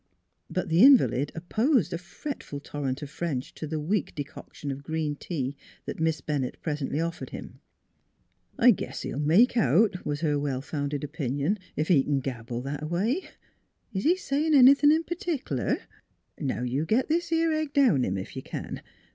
But the invalid opposed a fretful torrent of French to the weak decoction of green tea Miss Bennett presently offered him. " I guess he'll make out," was her well founded opinion, " ef he c'n gabble that a way. Is he sayin' anythin' p'tic'lar? Now, you git this 'ere egg down him, ef you kin.